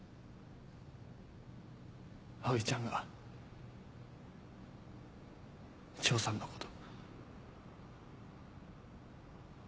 葵ちゃんが丈さんのこと。